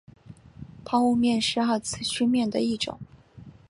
抛物面是二次曲面的一种。